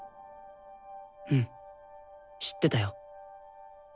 うん知ってたよ。